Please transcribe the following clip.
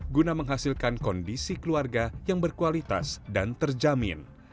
guna menghasilkan kondisi keluarga yang berkualitas dan terjamin